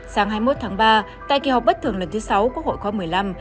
sáng hai mươi một tháng ba tại kỳ họp bất thường lần thứ sáu quốc hội khóa một mươi năm